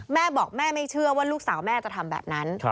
แม่บอกแม่ไม่เชื่อว่าลูกสาวแม่จะทำแบบนั้น